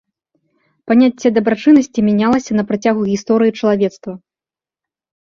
Паняцце дабрачыннасці мянялася на працягу гісторыі чалавецтва.